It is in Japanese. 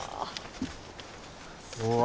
うわ。